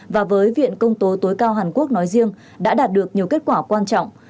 và với viện công tố tối cao hàn quốc nói riêng đã đạt được nhiều kết quả quan trọng